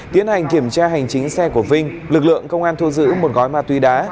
tiến hành kiểm tra hành chính xe của vinh lực lượng công an thu giữ một gói ma túy đá